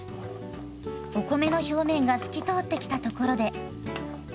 お米の表面が透き通ってきたところで。